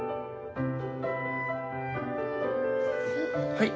はい。